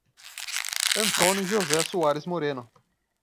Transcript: Antônio José Soares Moreno